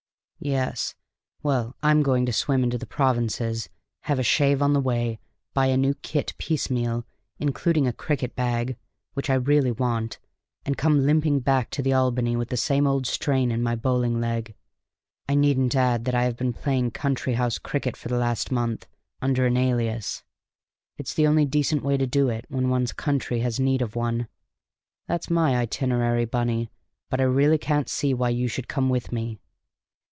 "Yes? Well, I'm going to swim into the provinces, have a shave on the way, buy a new kit piecemeal, including a cricket bag (which I really want), and come limping back to the Albany with the same old strain in my bowling leg. I needn't add that I have been playing country house cricket for the last month under an alias; it's the only decent way to do it when one's county has need of one. That's my itinerary, Bunny, but I really can't see why you should come with me."